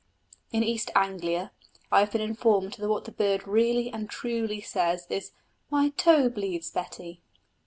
In East Anglia I have been informed that what the bird really and truly says is My toe bleeds, Betty.